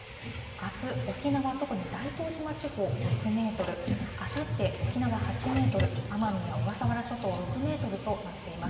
あす沖縄、特に大東島地方、６メートル、あさって、沖縄８メートル、奄美や小笠原諸島６メートルとなっています。